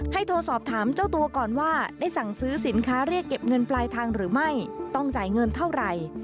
โทรสอบถามเจ้าตัวก่อนว่าได้สั่งซื้อสินค้าเรียกเก็บเงินปลายทางหรือไม่ต้องจ่ายเงินเท่าไหร่